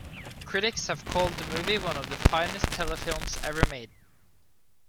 Critics have called the movie one of the finest telefilms ever made.